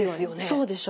そうでしょう。